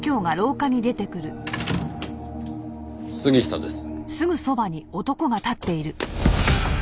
杉下です。